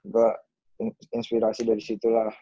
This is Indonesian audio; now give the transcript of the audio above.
gue inspirasi dari situlah